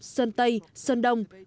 sơn tây sơn đông